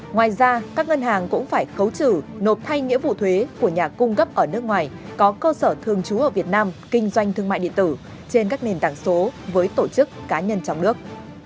ngoài ra các ngân hàng cũng phải khấu trừ nộp thay nghĩa vụ thuế của nhà cung cấp ở nước ngoài có cơ sở thường trú ở việt nam kinh doanh thương mại điện tử trên các nền tảng số với tổ chức cá nhân trong nước